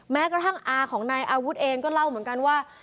แม้กระทั่งอาของนายอาวุธเองก็เล่าเหมือนกันว่า